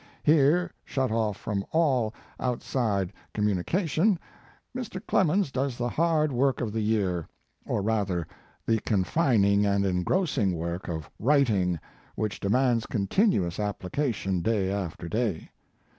Here, shut off from all outside communication, Mr. Clemens if 4 . Mark Twain does the hard work of the year, or rather the confining and engrossing work of writing, which demands continuous ap plication, day after day.